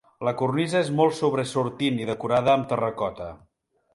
La cornisa és molt sobresortint i decorada amb terracota.